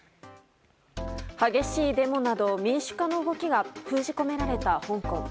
激しいデモなど民主化の動きが封じ込められた香港。